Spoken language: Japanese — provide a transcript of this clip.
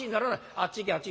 あっち行けあっち。